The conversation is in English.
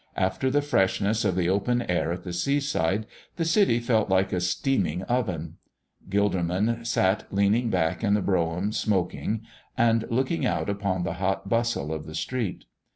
After the freshness of the open air at the sea side, the city felt like a steaming oven. Gilderman sat leaning back in the brougham smoking and looking out upon the hot bustle of the street.